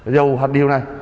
dầu hoặc điều này